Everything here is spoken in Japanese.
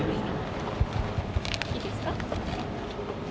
いいですか？